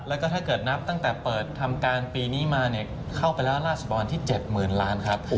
แล้วก็ถ้าเกิดนับตั้งแต่เปิดทำการปีนี้มาเข้าไปแล้วล่าสุดประมาณที่๗หมื่นล้านครับ